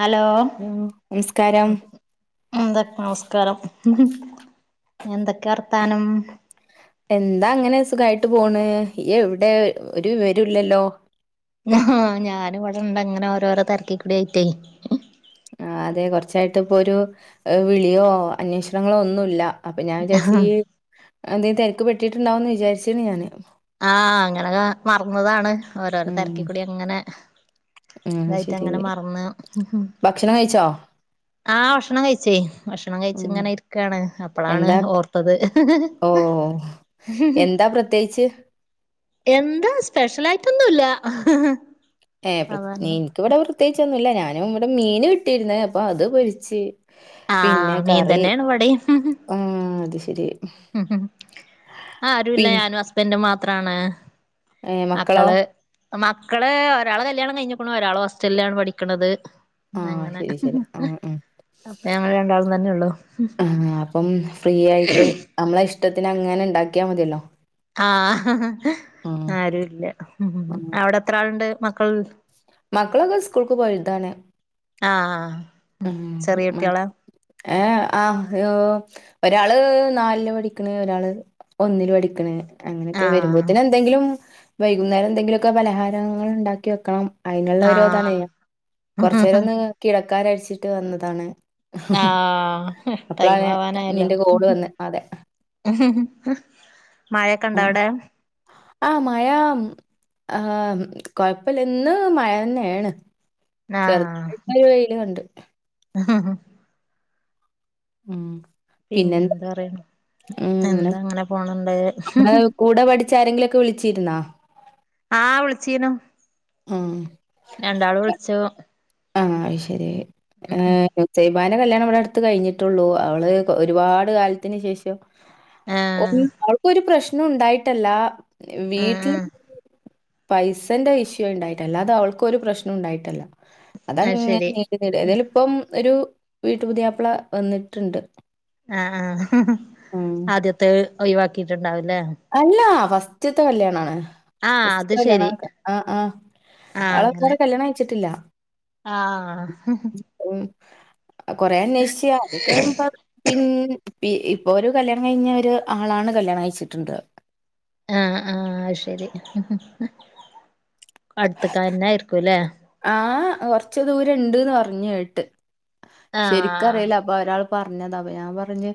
Hello hello നമസ്കാരം എന്തൊക്ക് നമസ്കാരം എന്തൊക്കെ വർത്താനം എന്താ അങ്ങനെ സുഖായിട്ട് പോണ് യ് എവിടെ ഒരു വിവരോല്ല ല്ലല്ലോ ആഹ് ഞാനിവിടുണ്ടങ്ങനെ ഓരോരോ തിരക്കി കൂടി ആയിട്ടേ ആഹ് അതെ കുറച്ചായിട്ടിപ്പൊരു ഏഹ് വിളിയോ അന്വേഷണങ്ങളോ ഒന്നൂല്ല അപ്പ ഞാൻ വിചാരിച്ചീ എന്തേ തെരക്ക് പെട്ടിട്ടുണ്ടാവന്ന് വിചാരിച്ചേനു ഞാനെ ആഹ് അങ്ങനെ മറന്നതാണ് ഓരോരോ ഉം തിരക്കി കൂടി അങ്ങനെ ഉം ശരി ഇതായിട്ടങ്ങനെ മറന്ന് ഭക്ഷണം കഴിച്ചോ ആഹ് ഭക്ഷണംകയിച്ചെ ഭക്ഷണം ഉം കഴിച്ച്ങ്ങനെ ഇര്ക്കാണ്. അപ്പളാണ് എന്താ ഓർത്തത്. ഓ എന്താ പ്രെത്യേകിച്ച്? എന്ത്‌ സ്പെഷ്യലായിട്ടൊന്നൂല്ല. ഏഹ് പ്രെ ഇൻക്ക് വടെ പ്രെത്യേകിച്ചൊന്നൂല്ല. ഞാനും ഇവടെ മീന് - ഇട്ടിര്ന്നെ അപ്പൊ അത് പൊരിച്ച്, പിന്നെ ആഹ് മീൻ കറി തന്നെയാണ് ആഹ് അത് ശെരി. ആരൂല്ല പിൻ ഞാനും ഹസ്ബന്റും മാത്രാണ്. ഏ മക്കളോ മക്കള് മക്കളെ ഒരാളെ കല്യാണം കൈഞ്ഞ്ക്ക്ണു ഒരാള് ഹോസ്റ്റൽലാണ് പഠിക്കണത്. ആ അങ്ങനെ ശരി ശരി ആ ആ അപ്പഞങ്ങള് രണ്ടാളുംതെന്നെള്ളു. ആഹ് അപ്പം ഫ്രീയായിട്ട് നമ്മളെ ഇഷ്ടത്തിനങ്ങനെ ഇണ്ടാക്യാ മതിയല്ലോ. ആഹ് ആഹ് ആരൂല്ല ആഹ് അവടെത്രാള്ണ്ട് മക്കൾ മക്കളൊക്കെ സ്കൂൾക്ക് പോയതാണ്. ആഹ് ആഹ് ചെറിയ മ് കുട്ടികളാ ഏഹ് ആഹ് ഒരാള് നാലില് പഠിക്ക്ണ് ഒരാള് ഒന്നില് പഠിക്ക്ണ്. അങ്ങനെക്കെ ആഹ് വെര്മ്പോത്ത്ന് എന്തെങ്കിലും വെയ്കുന്നേരം എന്തെങ്കിലൊക്കെ പലഹാരങ്ങള് ഇണ്ടാക്കി വെക്കണം. അയ്ന്ള്ള ഓരോതാണെ ആഹ് കൊറച്ചേരൊന്ന് കിടക്കാ വിചാരിച്ചിട്ട് വന്നതാണ്. ആഹ് അപ്പളാണ് ടൈമാവാനായല്ലോ നിന്റെ കോള് വന്ന് അതെ മഴെക്ക്ണ്ടോ അവടെ ആഹ് മയാ ആഹ് കൊയപ്പല്ലംഇന്ന് മയ തന്നേണ്. ആഹ് ഉം പിന്നെന്താ പിന്നെന്താറയ്ണ് എന്താ അങ്ങനെ പോണ് ണ്ട്. നമ്മളെ കൂടെ പഠിച്ച ആരെങ്കിലൊക്കെ വിളിച്ചിരുന്നോ ആഹ് വിള്ച്ചീന്നു. ആഹ് രണ്ടാളും വിളിച്ചു ആഹ് ശെരി ഏഹ് സൈബാന്റെ കല്യാണം ഇവടട്ത്ത് കയിഞ്ഞ്ട്ടൊള്ളൂംഅവള് കൊ ഒരുപാട് കാലത്തിന് ശേഷം ആഹ് ഓൾക്കൊരു പ്രെശ്നോം ഇണ്ടായിട്ടില്ല ആഹ് വീട്ടില് ആഹ് പൈസേന്റെ വിഷ്യോണ്ടായിട്ടില്ല അല്ലാതവൾക്കൊരു പ്രെശ്നോണ്ടായിട്ടില്ല അത് അതങ്ങനെ ശരി നീണ്ട് നീണ്ട്, ഏതായാലുപ്പം ഒരു വീട്ടു പുത്യാപ്പള വന്ന്ട്ട്ണ്ട്. ആഹ് ആഹ് ആദ്യത്തെ ഒയിവാക്കീട്ട് ഇണ്ടാവുലെ അല്ല ഫസ്റ്റ്ത്തെ കല്ല്യാണാണ് ആഹ് അത് ശരി [unintelligible] ആഹ് ആഹ് ആഹ് അവളപ്പൊ അങ്ങനെ വേറെ കല്യാണം കഴിച്ചിട്ടില്ല ആഹ് ഉം കൊറേ അന്യേഷിച്ച ആദ്യൊക്കെ പിന് ഇ ഇപ്പൊര് കല്യാണം കഴിഞ്ഞെ ഒര് ആളാണ് കല്യാണം കഴിച്ച്ട്ട്ണ്ട്. ആഹ് ആഹ് അഹ് ശരി അടുത്ത്ക്കാരനായിര്ക്കുംലേ ആഹ് കൊറച്ച് ദൂരംണ്ട്ന്ന് പറഞ്ഞ്കേട്ട് ആഹ് ഷെരിക്കറിയ്ല ഒരാള് പറഞ്ഞതാ അപ്പ ഞാം പറഞ്ഞ്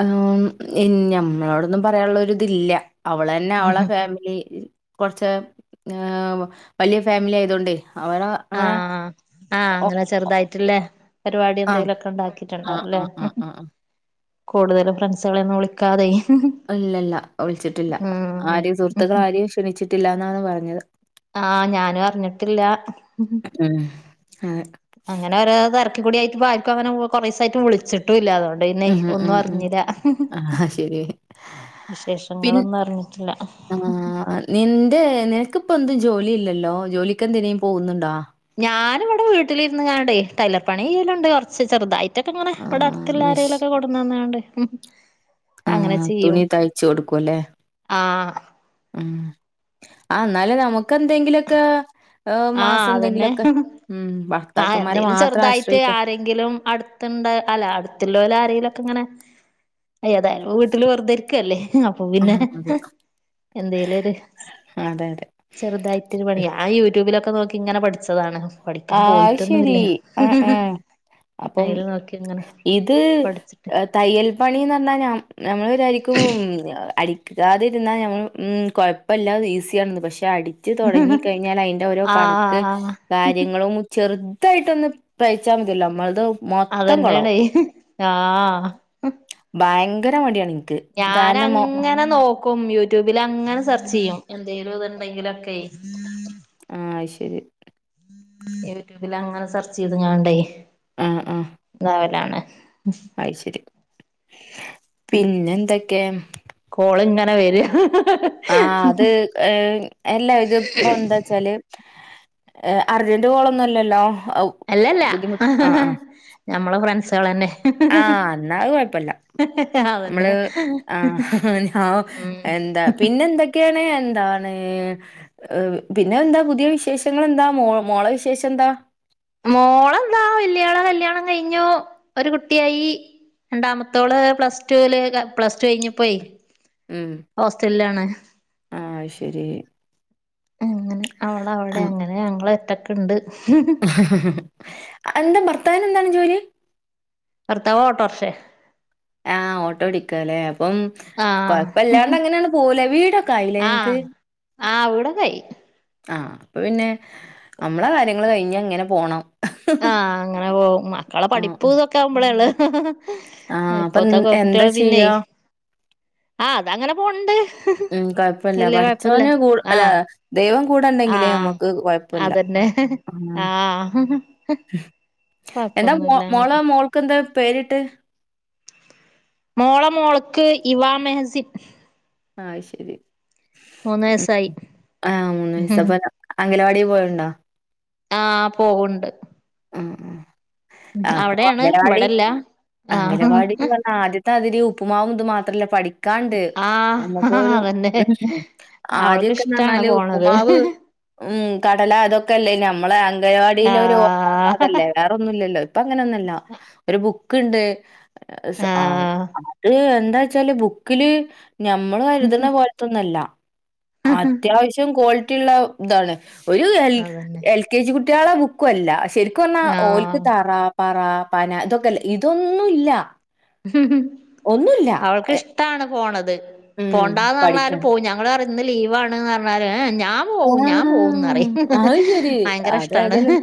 ആഹ് ഞമ്മളോടൊന്നും പറയാള്ളെര്ത് ഇല്ല. അവളെന്നെ അവളെ ഫാമിലി കൊറച്ച് വല്ല്യേ ഫാമിലി ആയതോണ്ടെ അവരാ ആഹ് ആഹ് അങ്ങനെ ചെറുതായിട്ടില്ലെ പാരുപാടി ആഹ് എന്തേലൊക്കെ ആഹ് ഇണ്ടാക്കിട്ടിട്ടുണ്ടാവൂലേ ആഹ് ആഹ് ആഹ് കൂടുതലും ഫ്രണ്ട്സുകളെ ഒന്നും വിളിക്കാതെ ഇല്ലല്ല വിൾച്ചിട്ടില്ല ഉം ആരേം സുഹൃത്ത്ക്കളാരേം ക്ഷണിച്ചിട്ടില്ലാന്നാണ് പറഞ്ഞത്. ആഹ് ഞാനും അറിഞ്ഞിട്ടില്ല. ആഹ് ആഹ് അങ്ങനെ ഓരോ തിരക്കി കൂടിയായിട്ട് [unintelligible] അങ്ങനെ കുറേസായിട്ട് വിളിച്ചിട് ഒട്ടുല്ല അതുകൊണ്ട് തന്നെ ഉം ഒന്നും ഉം ഉം. അറിഞ്ഞീലാ ആഹ് ശരി. പിൻ വിശേഷങ്ങളൊന്നും അറിഞ്ഞിട്ടില്ല ആഹ് നിന്റെ നിനക്കിപ്പോ എന്തും ജോലി ഇല്ലല്ലോ ജോലിക്ക് എന്തിനേലും പോകുന്നുണ്ടോ ഞാന് ഇവിടെ വീട്ടിലിരുന്ന് കാണ്ട് ടെയ്‌ലർ പണി ചെയലുണ്ട് കൊറച്ച് ചെറുതായി് മറ്റൊക്കെ ഇങ്ങനെ ഇവിടെ ആഹ് മെഷ് അടുത്തല്ലാരയിലൊക്കെ കൊടുന്ന് തന്നണ്ട് അങ്ങനെ ആഹ് ചെയ്യും തുണി തയ്ച്ചു കൊടുക്കുംല്ലേ? ആഹ് ഉം ആ എന്നാലും നമുക്ക് എന്തെങ്കിലുഒക്കെ ആഹ് മാസം അതന്നെ എന്തെങ്കിലുമൊക്കെ ഉം ഭർത്താ ക ന്മാരെ മാത്രം ആശ്രയിക്ക ങ്കിലും അടുത്ത ഉണ്ട് അല്ല അടുത്തുള്ള ആരെങ്കിലൊക്കെ ഇങ്ങനെ ഏതായാലും വീട്ടില് വെറുതെരിക്കുംല്ലേ അപ്പം പിന്നെ ആഹ് അതെ. എന്തെലരു അതെ അതെ. ചെറുതായിട്ട് ഒരു പണി ഞാൻ യൂട്യൂബിലൊക്കെ നോക്കി ഇങ്ങനെ പഠിച്ചതാണ്. പഠിക്കാൻ ആഹ് പോയിട്ടൊന്നുല്ല ശരി അ അ അപ്പം അയില് നോക്കി ഇങ്ങനെ ഇത് പഠിച്ചിട്ട് തയ്യൽ പണിന്ന് പറഞ്ഞാൽ ഞമ്മൾ വിചാരിക്കും അടിക്കാതിരുന്നാ ഞമ്മൾ ഉം കുഴപ്പമില്ലാ ഈസിയണത് പക്ഷെ അടി ച്ച് തുടങ്ങി കഴിഞ്ഞാൽ അതിന്റെ ഓരോ കണക്ക് ആഹ് ചെറുതായിട്ടൊന്നും തഴച്ചാൽ മതിയല്ലോ നമ്മളത് മൊത്തം അതന്നെയാണ് കൊളാവും ആഹ് ഭയങ്കര മടിയാണ് ഇൻക്ക് കാരണം മൊ ഞാനങ്ങനെ നോക്ക ക്കും യൂട്യൂബിൽ അങ്ങനെ സെർച്ച് ചെയ്യും എന്തെങ്കലും ഇത്ണ്ടെങ്കിലും ഒക്കെ ആഹ് ശരി യൂട്യൂബിൽ അങ്ങനെ സെർച്ച് ചെയ്ത് കാണ്ടേ ആഹ് താവലാണ് [inaudible] അഹ് ശരി പിന്നെ എന്തൊക്കെ കോള് ഇങ്ങനെ വര ആ അത് എല്ലാ ഇത് ഇപ്പ എന്താ ച്ചല് അർജന്റ് കോളൊന്നുംല്ലല്ലോ അവ് അല്ലല്ല ഞമ്മളെ ഫ്രെണ്ട്സ് അൾ തന്നെ ആഹ് എന്ന അത് കുഴപ്പില്ല അതന്നെ നമ്മള് ആ ഉം എന്താ പിന്നെന്ത കെന് എന്താണ് പിന്നെ എന്താ പുതിയ വിശേഷങ്ങൾ എന്താ മോ മോള വിശേഷം എന്താ മോളെന്താ വല്യാള കല്യാണം കഴിഞ്ഞു ഒരു കുട്ടിയായി. രണ്ടാമത്തോള് പ്ലസ് ടുല് പ്ലസ് ടു കഴിഞ്ഞപ്പോയി ഉം ഹോസ്റ്റലിലാണ്. ആഹ് ശരി അങ്ങനെ അവൾ അവിടെ ആഹ്. അങ്ങനെ ഞങ്ങൾ ഒറ്റക്കെ ഉണ്ട്. എന്താ ഭർത്താവിന് എന്താണ് ജോലി ഭർത്താവ് ഓട്ടോറിക്ഷ ആഹ് ഓട്ടോ ഓടിക്കല്ലേ അപ്പം ആഹ് കൊഴപ്പ ഇല്ലാണ്ട് അങ്ങനെയാണ് പോകും ലേ വീടൊക്കെ അയിലേ നിനക്ക് ആ വീട് ഒകെ ആയി ആ അപ്പൊ പിന്നെ നമ്മളെ കാര്യങ്ങൾ കഴിഞ്ഞ അങ്ങനെ പോണം. ആ അങ്ങനെ പോകും മക്കളെ ആഹ് പഠിപ്പ് ഇതൊക്കെ ഉം ആവുമ്പോളേള്ള ആഹ് അപ്പൊ ഇപ്പത്തെക്കെ പെൺ എന്താ കുട്ടികള് പിന്നെ ചെയ്യാ ആ അത് അങ്ങനെ പോവുണ്ട് ഉം കൊഴപ്പില്ല പഠിച്ചവനെ കൂ അല്ല ആഹ് ദൈവം കൂടെണ്ടെങ്കില് ആഹ് നമ്മുക്ക് കൊഴപ്പല്ല. അതന്നെ ആഹ് എന്താ കൊഴപ്പൊന്നുല്ല മോള അങ്ങനെ മോൾക്ക് എന്താ പേരിട്ട് മോള മോളക്ക് ഇവാ മെഹസിൻ ആഹ് അത് ശെരി മൂന്ന് വയസായി ആഹ് മൂന്ന് വയസാ അംഗലവാടി പോവൽ ഉണ്ടോ ആഹ് പോവുണ്ട് ഉം ഉം അപ്പൊ അവിടെയാണ് അംഗനവാടി ഇവിടെല്ല ആഹ് അംഗനവാടിന്ന് വന്നാ ആദ്യത്തെ തതിരി ഉപ്പ്മാവും ഇത് മാത്രല്ല പഠിത ക്കാണ്ട് ആഹ് നമ്മുക്ക് ഒരു അതന്നെ അവൾക്ക് ഇഷ്ടാണ് ആദ്യക്കെന്നറഞ്ഞാല് പോണത് ഉപ്പുമാവ് ഉം കടല അതൊക്കെല്ലേ നമ്മളെ അംഗവാടില് ഒരു ഓർമ ആഹ് അതല്ലേ വേറൊന്നുല്ലല്ലോ ഇപ്പൊ അങ്ങനെ ഒന്നുഅല്ല ഒരു ബുക്ക് ഉണ്ട് ആഹ് അത് എന്താ വച്ചാല് ബുക്കില് ഞമ്മള് കരുതുന്ന പോലത്ത ഒന്നുഅല്ല അത്യാവശ്യം ക്വാളിറ്റി ള്ള ഇതാണ് ഒരു എൽ അതന്നെ എൽ കെ ജി കുട്ടികളെ ബുക്കും അല്ല ശരിക്കും പറഞ്ഞാൽ ഓൽക്ക് ആഹ് തറ പറ പന ഇതൊക്കെല്ല ഇതൊന്നും ഇല്ല ഹ്‌ഹും അവൾക്ക് ഇഷ്ടാണ് പോണത് ഉം. പോണ്ടന്ന് പറഞ്ഞാലും പഠിക്കാൻ. പോവും ഞങ്ങളരിം ഇന്ന് ലീവാണ് എന്ന് പറഞ്ഞാല് ഏ ഞാൻ ഞാൻ ആ! പോവും ഞാൻ പോവും ന്നറിം അത് ശരി. ഭയങ്കര അത് ഇഷ്ടാണ് ഏതായാലും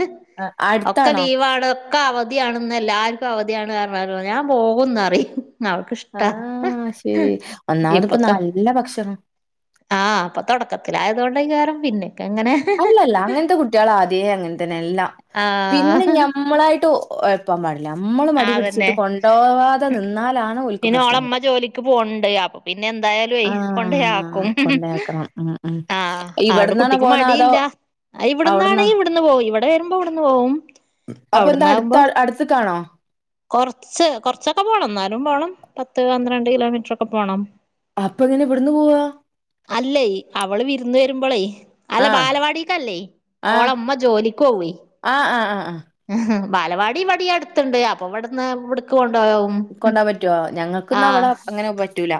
അടുത്താണോ ക്കെ അവധിയാണ്ന്ന് എല്ലാർക്കും അവധിയാണ് അറഞ്ഞാലുംഞാന് പോകുന്നറിം അവക്ക് ഇഷ്ട ആഹ് ശരി ഒന്നാമത് ഇപ്പ ഇപ്പത്തെ നല്ല ഭക്ഷണം ആഹ് അപ്പൊ തുടക്കത്തിലയതുകൊണ്ടഎക്കാരം പിന്നെയക്കെ അങ്ങനെ അല്ലല്ല അങ്ങനത്തെ കുട്ടിആള് ആദ്യേ അങ്ങനെത്തന്നെ എല്ലാം ആഹ് പിന്നെ ഞമ്മളായിട്ട് ഒഴപ്പാൻ പാടില്ല നമ്മള് മടി പിടിച്ചിട്ട് അതന്നെ കൊണ്ട് പോവാതെ നിന്നാലാണ് ഓൽക്ക് പ്രശ്നം വെര പോണ്ട അപ്പൊ പിന്നെ എന്തായാലും കൊണ്ടെയാക്കും ണ്ടെയാക്കണം ഉം ഉം ഇവിടുന്നാണ പോണ അതോ ഇല്ല അവിടന്നാ ഇവിടന്നാണേൽ ഇവിടുന്ന് പോവും ഇവിടെ വരുമ്പോ ഇവിടുന്ന് പോവും അപ്പൊ എന്താ അടുത്ത അടുത്തക്ക് ആണോ കുറച്ച് കൊറച്ചൊക്കെ പോണം ന്നാലും പോണം പത്ത് പന്ത്രണ്ട് കിലോമീറ്റർ ഒക്കെ പോണം അപ്പം എങ്ങനെ ഇവിടുന്ന് പോവാ അല്ലേ അവള് വിരുന്ന് വരുമ്പോളേ അല്ല ആഹ് ബാലവാടിക്കല്ലേ ഓള ആഹ് ഉമ്മ ജോലിക്ക് പോവേ ആഹ് ആഹ് ഹ് ആഹ് ഹ്‌ഹും ബാലവാടി ഇവിടെയും അടുത്തുണ്ട് അപ്പൊ ഇവിടുന്ന് ഇവിടുക്ക് കൊണ്ടു പോകും കൊണ്ടോവാറ്റോ ഞങ്ങക്ക് ന്ന അവിടെ അങ്ങനെ പറ്റൂല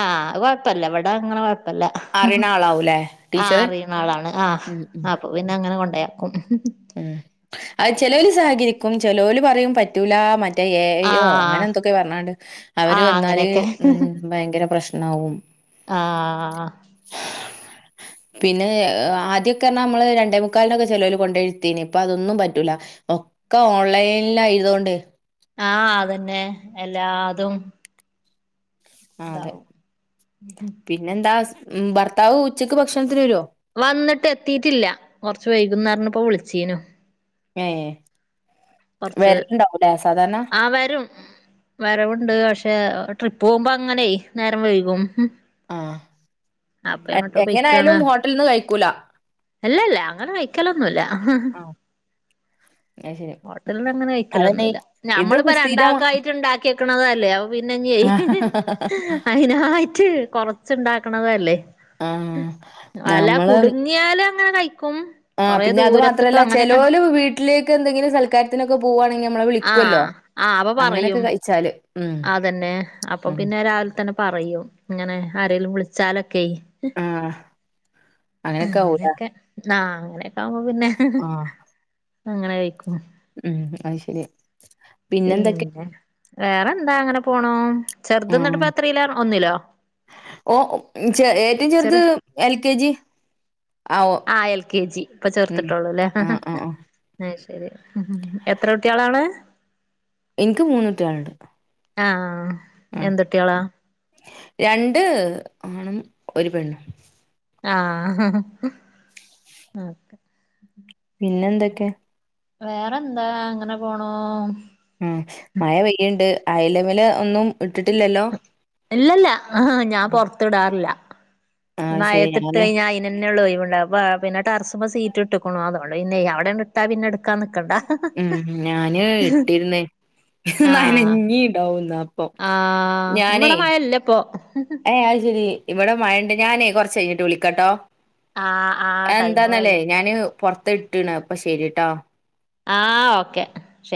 ആഹ് അത് കൊഴപ്പല്ല ഇവിട അങ്ങനെ കൊഴപ്പല്ല വൂല്ലേ ആഹ് അറിയുന്ന ആളാണ് ആഹ് ആപ്പൊ പിന്നെ അങ്ങനെ കൊണ്ടോയാക്കും ഉം അത് ചിലവല് സഹകരിക്കും ചേലോല പറയും പറ്റൂല മ മറ്റു എ ഐ യോ അങ്ങനെ ആഹ് എന്തൊക്കെയോ പറഞ്ഞാണ്ട് അവര് ആഹ് വന്നാല് അങ്ങനെയൊക്കെ ഉം ഭയങ്കര പ്രശ്നവും ആഹ്ഹ് പിന്നെ ആദ്യക്കെ അർണ നമ്മള് രണ്ടേമുക്കാലിനൊക്കെ ചേലോല കൊണ്ടോയിരുത്തും തിന് ഇപ്പ അതൊന്നും പറ്റൂല ഒക്കെ ഓൺലൈനിൽ ആയതുണ്ട് ആഹ് അതന്നെ എല്ലാതും ആഹ് അതെ ഇതാവും പിന്നെന്താ മ് ഭർത്താവ് ഉച്ചക്ക് ഭക്ഷണത്തിന് വെരോ വന്നിട്ട് എത്തിയിട്ടില്ല കുറച്ച് വൈകുന്നു പറഞ്ഞു ഇപ്പോ വിളിച്ചിന്നു ഏയ് വെറുണ്ടാവുല്ലേ സാധാരണ ആഹ് വരും വരവുണ്ട് പക്ഷെ ട്രിപ്പ് പോകുമ്പോ അങ്ങനെയ് നേരം വൈകും ഉം ആഹ് പൊയ്ക്കാണ് എങ്ങനായാലും ഹോട്ടലിൽ നിന്ന് കഴിക്കൂല അല്ലല്ല അങ്ങനെ കഴിക്കലൊന്നുല്ല ആഹ് അത് ശരി ഹോട്ടലന്ന് അങ്ങനെ അതന്നെ കയ്ക്കലൊന്നുല്ല ഇത് ഞമ്മളിപ്പോ സ്ഥിരമാ രണ്ടാൾക്ക ആയിട്ട് ഇണ്ടാക്കിക്കണതല്ലേ പിന്നെ ഇഞ്ഞെയ് അതിനായിട്ട് കൊറച്ച ണ്ടാക്കണതല്ലേ ആഹ് അല കുടുങ്ങിയാല അങ്ങനെ കഴിക്കും ആഹ് കൊറേ പിന്നെ അത് ദൂരത്ത്ക്ക് മാത്രമല്ല അങ്ങനെയൊക്കെ ചിലോല് വീട്ടിലേക്ക് എന്തെങ്കിലും സൽക്കാരത്തിനൊക്കെ പോവാണെങ്കില് നമ്മളെ വിളിക്കുല്ലോ ആ അപ്പൊ പറയും അതന്നെ അപ്പൊ ഉം പിന്നെ രാവിലെ തന്നെ പറയും. ഇങ്ങനെ ആരെങ്കലും വിളിച്ചാലൊക്കെയി. ആഹ് അങ്ങനൊക്കെ ആവൂല അങ്ങനെയൊക്കെ നാ അങ്ങനെയൊക്കെ ആവുമ്പോ പിന്നെ ആഹ് അങ്ങനെ കഴിക്കും. ഉം അത് ശരി. പിന്നെന്തൊക്കെ പിന്നെ വേറെ എന്താ അങ്ങനെ പോണു ചെറുത് ആഹ് ന്നട്പ്പ എത്രല്ലാ ഒന്നിലോ? ഓ ഏറ്റവും ചെറുത് ചെറിയ എൽ കെ ജി ആവോ ആഹ് എൽ കെ ജി ഇപ്പ ഉം ചേർത്തിട്ടളൂ അല്ലേ? ഹഹ ആഹ് ആഹ് ആഹ് അഹ് ശരി എത്ര കുട്ടി ആളാണ് എനിക്ക് മൂന്ന് കുട്ടികളുണ്ട്. ആഹ് ആഹ് എന്ത് കുട്ടികളാ രണ്ട് ആണും ഒരു പെണ്ണും. ആഹ് ആക്കെ പിന്നെ എന്തൊക്കെ വേറെന്താ അങ്ങനെ പോണു ഉ മഴ പെയ്യുണ്ട് അയലമില് ഒന്നും ഇട്ടിട്ടില്ലല്ലോ? ഇല്ലല്ല ആ ഞാൻ പൊറത്ത് ഇടാറില്ല ആഹ് ശരി മഴത്തിട്ട് ഞാന് കഴിഞ്ഞ ന്നെള്ള ഇന് ഒഴിവ് പിന്നെ ടെറ്പ സീറ്റ് ഇടുക്കണോ അതള്ളൂ ഇന്നെ അവിടെണ്ട് ഇട്ടാ പിന്നെ എ ഉം ഞാന് ഇട്ടിര്ന്ന് നാനഞ്ഞി ഇണ്ടാവുംന്നപ്പൊ. ആഹ ഇമമടെ മഴല്ല ഇപ്പൊ അത് ശരി ഇവിടെ മഴണ്ട് ഞാനേ കൊറച്ച് കഴിഞ്ഞിട്ട് വിളിക്കട്ടോ? ആഹ് ആഹ് ടൈമു ആയി എന്താന്നല്ലേ ഞാന് പുറത്ത് ഇട്ടണ് അപ്പൊ ശരിട്ടോ? ആ ഓക്കെ